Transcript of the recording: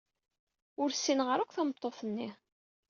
Ur ssineɣ ara akk tameṭṭut-nni.